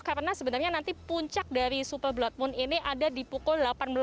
karena sebenarnya nanti puncak dari super blood moon ini ada di pukul delapan belas delapan belas